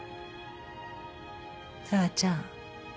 紗和ちゃん。